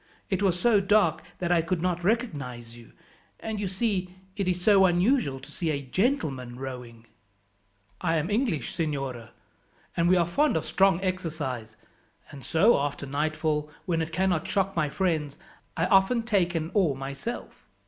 It was so dark that I could not recognize you; and, you see, it is so unusual to see a gentleman rowing." "I am English, signora, and we are fond of strong exercise, and so after nightfall, when it cannot shock my friends, I often take an oar myself."